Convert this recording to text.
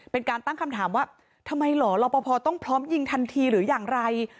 เป็นการตั้งคำถามว่าทำไมเหรอรอปภต้องพร้อมยิงทันทีหรืออย่างไร